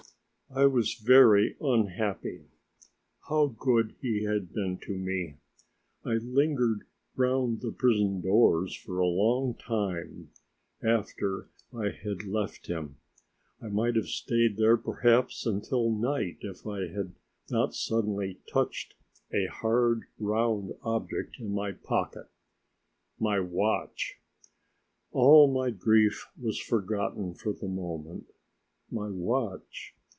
I was very unhappy. How good he had been to me! I lingered round the prison doors for a long time after I had left him. I might have stayed there perhaps until night if I had not suddenly touched a hard round object in my pocket. My watch! All my grief was forgotten for the moment. My watch!